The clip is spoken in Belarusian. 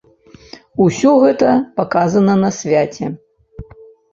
Усё гэта паказана на свяце.